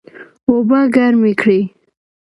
اوبه ګرمې کړئ